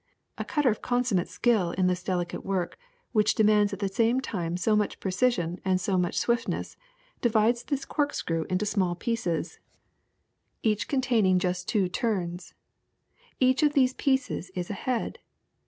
A cutter of consum mate skill in this delicate work, which demands at the same time so much precision and so much swift ness, divides this corkscrew into small pieces, each PINS 11 containing just two turns. Each of these pieces is a head.